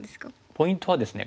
ポイントはですね